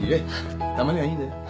たまにはいいんだよ。